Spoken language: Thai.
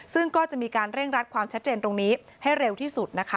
ซึ่งก็จะมีการเร่งรัดความชัดเจนตรงนี้ให้เร็วที่สุดนะคะ